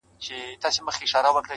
په غمونو پسي تل د ښادۍ زور وي!